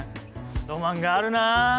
ロマンがあるな。